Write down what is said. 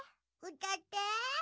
うたって。